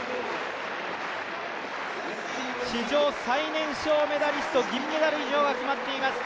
史上最年少メダリスト銀メダル以上が決まっています